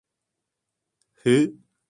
Hı?